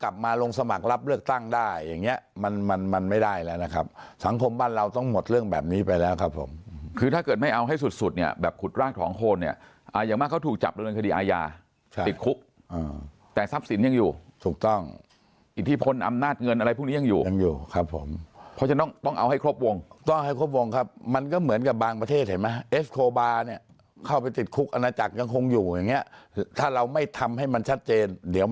บ้านเราต้องหมดเรื่องแบบนี้ไปแล้วครับผมคือถ้าเกิดไม่เอาให้สุดเนี่ยแบบขุดรากของคนเนี่ยอย่างมากเขาถูกจับเรื่องคดีอายาติดคุกแต่ทรัพย์สินยังอยู่ถูกต้องอิทธิพลอำนาจเงินอะไรพวกนี้ยังอยู่ยังอยู่ครับผมเพราะฉะนั้นต้องต้องเอาให้ครบวงต้องให้ครบวงครับมันก็เหมือนกับบางประเทศเห็นไหมเอสโคบาร์เนี่ย